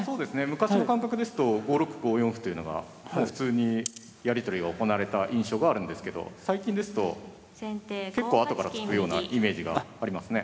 昔の感覚ですと５六歩５四歩というのが普通にやり取りが行われた印象があるんですけど最近ですと結構後から突くようなイメージがありますね。